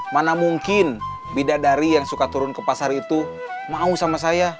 mana mungkin bidadari yang suka turun ke pasar itu mau sama saya